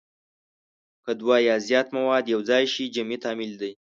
که دوه یا زیات مواد یو ځای شي جمعي تعامل دی.